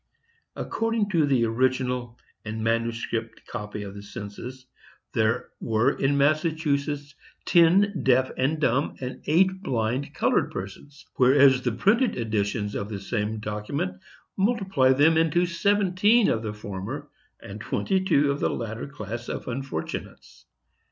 According to the original and manuscript copy of the census, there were in Massachusetts ten deaf and dumb and eight blind colored persons; whereas the printed editions of the same document multiply them into seventeen of the former and twenty two of the latter class of unfortunates.